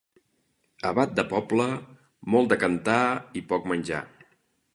Abat de poble, molt de cantar i poc menjar.